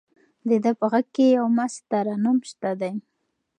د ده په غږ کې یو مست ترنم شته دی.